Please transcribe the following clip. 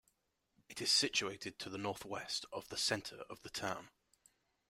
It is situated to the north west of the centre of the town.